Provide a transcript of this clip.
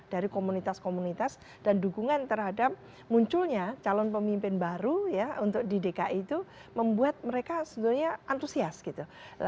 dari komunitas komunitas dan dukungan terhadap munculnya calon pemimpin baru ya untuk di dki itu membuat mereka sebenarnya antusias gitu